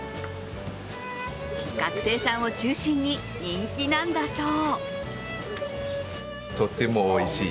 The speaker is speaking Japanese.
学生さんを中心に人気なんだそう。